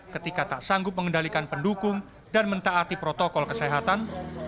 ketika tak sanggup mengendalikan pendukung dan mentaati protokol kesehatan